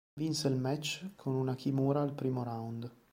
Vinse il match con una kimura al primo round.